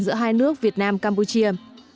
giữa hai nước việt nam campuchia